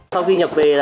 sau khi nhập về